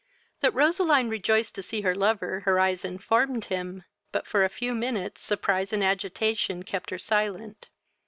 That Roseline rejoiced to see her lover her eyes informed him, but for a few minutes surprise and agitation kept her silent.